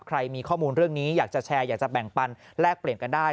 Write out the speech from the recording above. ใครมีข้อมูลเรื่องนี้อยากจะแชร์อยากจะแบ่งปันแลกเปลี่ยนกันได้